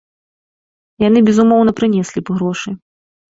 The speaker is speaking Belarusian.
Яны, безумоўна, прынеслі б грошы.